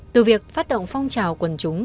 từ việc phát động phong trào quần chúng